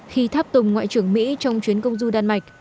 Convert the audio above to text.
khi tháp tùng ngoại trưởng mỹ trong chuyến công du đan mạch